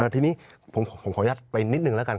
ทีนี้ผมขออนุญาตไปนิดนึงแล้วกัน